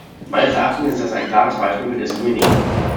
Meines Erachtens ist das ein klares Beispiel für Diskriminierung.